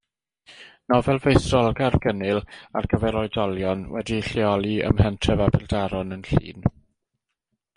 Nofel feistrolgar, gynnil ar gyfer oedolion, wedi'i lleoli ym mhentref Aberdaron yn Llŷn.